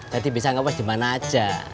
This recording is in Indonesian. jadi bisa ngawas dimana aja